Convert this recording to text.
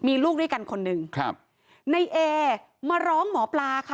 มีลูกด้วยกันคนหนึ่งครับในเอมาร้องหมอปลาค่ะ